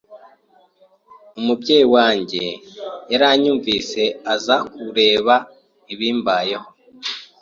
Umubyeyi wanjye yaranyumvise aza kureba ibimbayeho